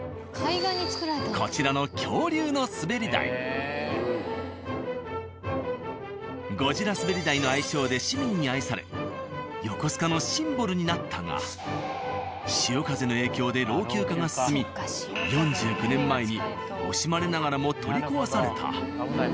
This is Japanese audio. こちらのゴジラ滑り台の愛称で市民に愛され横須賀のシンボルになったが潮風の影響で老朽化が進み４９年前に惜しまれながらも取り壊された。